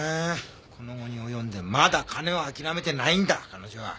この期に及んでまだ金を諦めてないんだ彼女は。